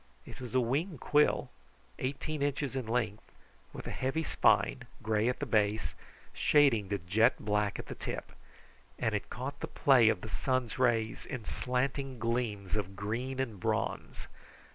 It was a wing quill, eighteen inches in length, with a heavy spine, gray at the base, shading to jet black at the tip, and it caught the play of the sun's rays in slanting gleams of green and bronze.